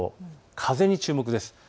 風に注目です。